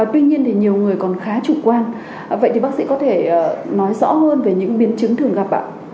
tuy nhiên thì nhiều người còn khá chủ quan vậy thì bác sĩ có thể nói rõ hơn về những biến chứng thường gặp ạ